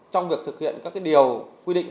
trong việc thực hiện các điều quy định